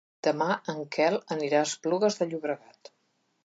Demà en Quel anirà a Esplugues de Llobregat.